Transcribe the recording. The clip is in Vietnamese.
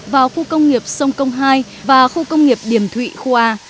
vào khu công nghiệp sông công hai và khu công nghiệp điểm thụy khoa